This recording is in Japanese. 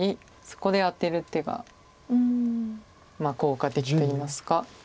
そこでアテる手が効果的といいますか。